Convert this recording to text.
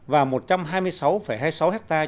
và một trăm hai mươi sáu hai mươi sáu ha